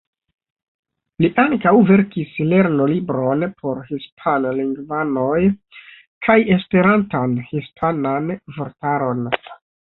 Li ankaŭ verkis lernolibron por hispan-lingvanoj kaj Esperantan-hispanan vortaron.